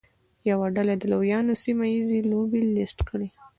یوه ډله د لویانو سیمه ییزې لوبې لیست کړي.